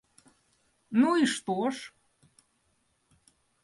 Ну, и что ж?